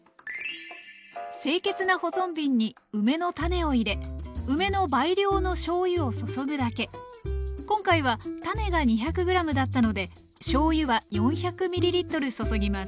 清潔な保存瓶に梅の種を入れ梅の倍量のしょうゆを注ぐだけ今回は種が２００ｇだったのでしょうゆは４００ｍｌ注ぎます